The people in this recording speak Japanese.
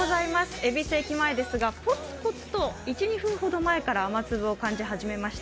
恵比寿駅前ですがポツポツと１２分ほど前から雨粒を感じ始めました。